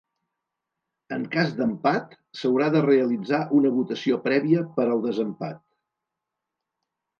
En cas d’empat, s’haurà de realitzar una votació prèvia per al desempat.